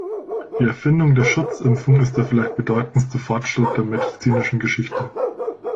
Die Erfindung der Schutzimpfung ist der vielleicht bedeutendste Fortschritt der medizinischen Geschichte.